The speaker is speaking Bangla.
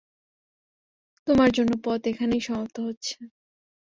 তোমার জন্য, পথ এখানেই সমাপ্ত হচ্ছে!